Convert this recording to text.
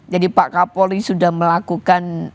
jadi pak kapolri sudah melakukan